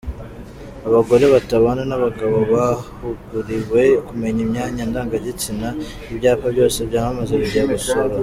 Abagore batabana n’abagabo bahuguriwe kumenya imyanya ndangagitsina Ibyapa byose byamamaza bigiye gusora